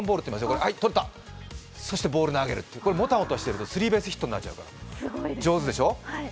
これで落としてるとこれ、もたもたしているとスリーベースヒットになっちゃうから、上手でしょう。